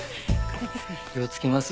気をつけます。